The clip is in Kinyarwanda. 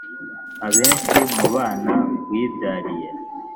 Abenshi mu bana wibyariye,